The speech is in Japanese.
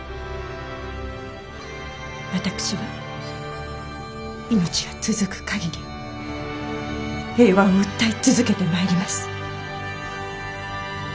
私は命が続く限り平和を訴え続けてまいります。